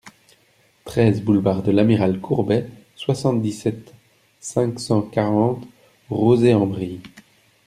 treize boulevard de l'Amiral Courbet, soixante-dix-sept, cinq cent quarante, Rozay-en-Brie